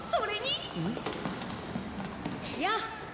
やあ。